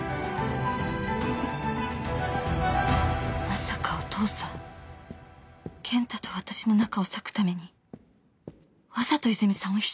まさかお父さん健太と私の仲を裂くためにわざと泉さんを秘書に？